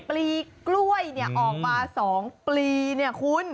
ปรีกร้วยออกมา๒ปรีคุณ